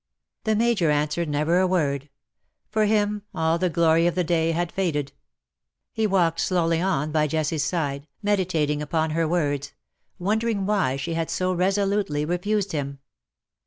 '' The Major answered never a word. For him all the glory of the day had faded. He walked slowly on 184 IN SOCIETY. by Jessicas side, meditating upon her words — won dering why she had so resolutely refused him.